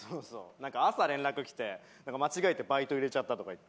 なんか朝連絡来て「間違えてバイト入れちゃった」とか言って。